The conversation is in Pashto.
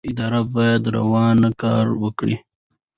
ادارې باید روڼ کار وکړي